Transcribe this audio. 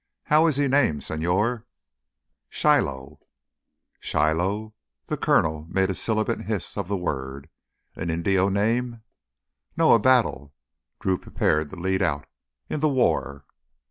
How is he named, señor?" "Shiloh." "Shiloh ..." The Coronel made a sibilant hiss of the word. "An Indio name?" "No, a battle." Drew prepared to lead out. "In the war."